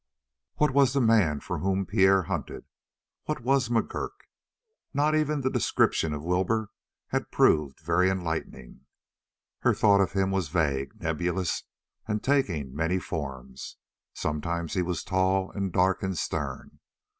What was the man for whom Pierre hunted? What was McGurk? Not even the description of Wilbur had proved very enlightening. Her thought of him was vague, nebulous, and taking many forms. Sometimes he was tall and dark and stern.